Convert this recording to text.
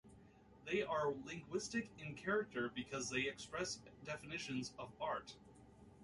They are linguistic in character because they express definitions of art.